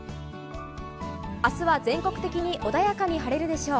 明日は、全国的に穏やかに晴れるでしょう。